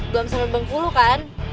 belum sampe bengkulu kan